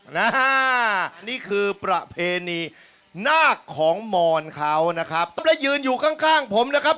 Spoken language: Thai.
นะฮะนี่คือประเพณีนาคของมอนเขานะครับและยืนอยู่ข้างข้างผมนะครับ